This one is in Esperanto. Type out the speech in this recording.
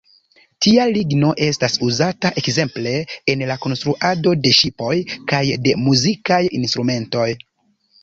Tia ligno estas uzata ekzemple en la konstruado de ŝipoj kaj de muzikaj instrumentoj.